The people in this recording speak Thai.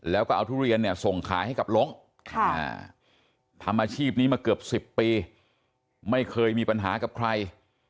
แล้วก็เอาทุเรียนเนี่ยส่งขายให้กับหลงทำอาชีพนี้มาเกือบ๑๐ปีไม่เคยมีปัญหากับใคร